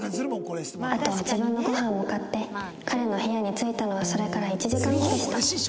あとは自分のご飯も買って彼の部屋に着いたのはそれから１時間後でした